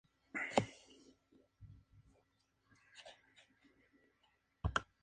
Sus bazares fueron agrandados.